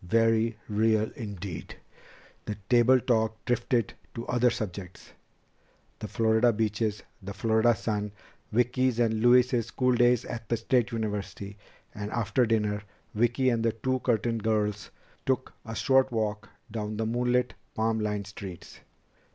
Very real indeed!" The table talk drifted to other subjects the Florida beaches, the Florida sun, Vicki's and Louise's school days at State University. And after dinner, Vicki and the two Curtin girls took a short walk along the moonlit, palm lined streets.